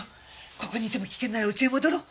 ここにいても危険なら家へ戻ろう！